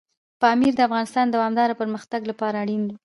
پامیر د افغانستان د دوامداره پرمختګ لپاره اړین دي.